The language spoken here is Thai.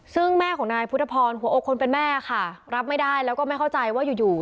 ซึ่งแม่ของนายพุทธพรหัวอกคนเป็นแม่ค่ะรับไม่ได้แล้วก็ไม่เข้าใจว่าอยู่อยู่